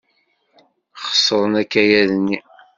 Xeṣren akayad-nni.